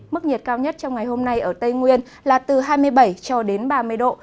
mức nhiệt cao nhất trong ngày hôm nay ở tây nguyên là từ hai mươi bảy cho đến ba mươi độ